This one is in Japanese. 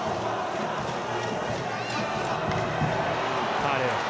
ファウル。